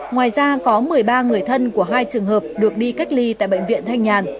ngoài ra có một mươi ba người thân của hai trường hợp được đi cách ly tại bệnh viện thanh nhàn